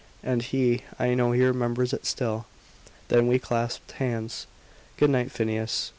And he I KNOW he remembers it still. Then we clasped hands. "Good night, Phineas."